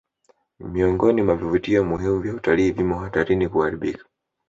Miongoni mwa vivutio muhimu vya utalii vimo hatarini kuharibika